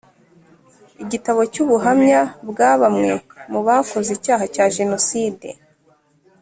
Igitabo cy ubuhamya bwa bamwe mu bakoze icyaha cya Jenoside